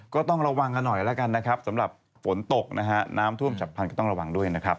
ก็ต้องระวังกันหน่อยแล้วกันนะครับสำหรับฝนตกนะฮะน้ำท่วมฉับพันธ์ก็ต้องระวังด้วยนะครับ